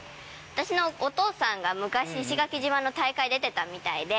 私のお父さんが昔、石垣島の大会に出てたみたいで。